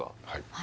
はい